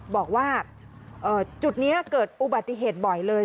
บอกว่าจุดนี้เกิดอุบัติเหตุบ่อยเลย